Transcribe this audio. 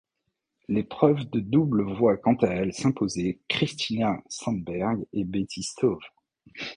L'épreuve de double voit quant à elle s'imposer Christina Sandberg et Betty Stöve.